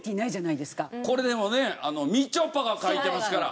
これでもねみちょぱが書いてますから。